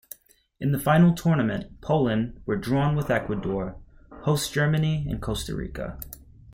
In the final tournament, Poland were drawn with Ecuador, hosts Germany and Costa Rica.